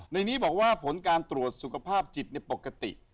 ในนี้บอกว่าผลการตรวจสุขภาพจิตปกติ